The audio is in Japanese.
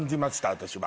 私は。